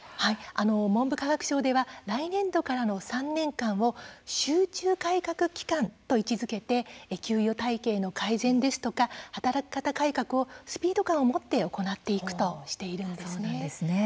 文部科学省では来年度からの３年間を集中改革期間と位置づけて給与体系の改善ですとか働き方改革をスピード感を持って行っていくとしています。